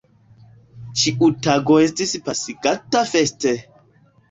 Ĉiu tago estis pasigata feste.